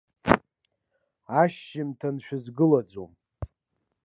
Ашьжьымҭан шәызгылаӡом.